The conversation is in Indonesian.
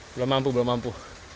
belum mampu belum mampu